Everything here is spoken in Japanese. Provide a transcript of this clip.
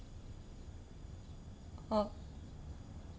あっ。